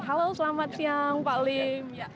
halo selamat siang pak lim